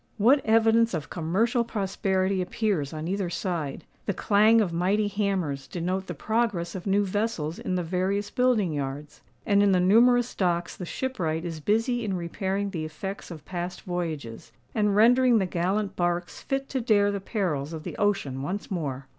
What evidence of commercial prosperity appears on either side! The clang of mighty hammers denote the progress of new vessels in the various building yards; and in the numerous docks the shipwright is busy in repairing the effects of past voyages, and rendering the gallant barks fit to dare the perils of the ocean once more!